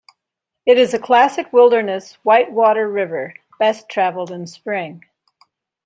It is a classic wilderness white water river, best travelled in spring.